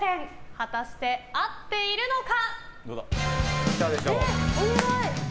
果たして合っているのか。